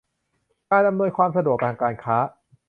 การอำนวยความสะดวกทางการค้า